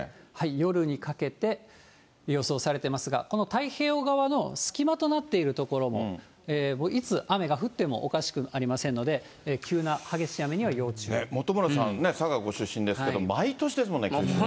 夜にかけて予想されていますが、この太平洋側の隙間となっている所も、もういつ雨が降ってもおかしくありませんので、急な激しい雨には本村さんね、佐賀ご出身ですけど、毎年ですもんね、九州はね。